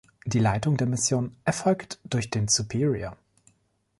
Die Leitung der Mission erfolgt durch den Superior.